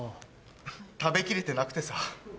食べ切れてなくてさ。